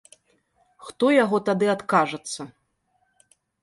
Хто яго тады адкажацца.